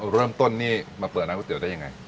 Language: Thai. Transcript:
เริ่มต้นนี่มาเปิดร้านก๋วเตี๋ได้ยังไง